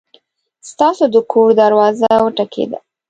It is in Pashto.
ستاسو د کور دروازه وټکېده!